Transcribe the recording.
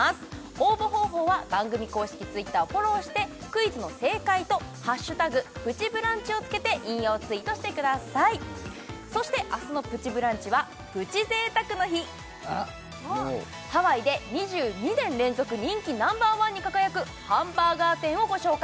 応募方法は番組公式Ｔｗｉｔｔｅｒをフォローしてクイズの正解と「＃プチブランチ」をつけて引用ツイートしてくださいそして明日の「プチブランチ」はプチ贅沢の日ハワイで２２年連続人気Ｎｏ．１に輝くハンバーガー店をご紹介